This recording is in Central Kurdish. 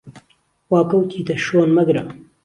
وا کهوتیته شۆن، مهگره، -----